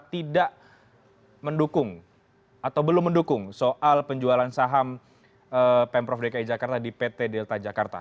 tidak mendukung atau belum mendukung soal penjualan saham pemprov dki jakarta di pt delta jakarta